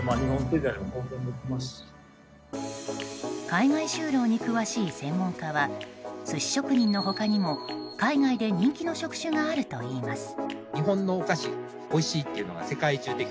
海外就労に詳しい専門家は寿司職人の他にも海外で人気の職種があるといいます。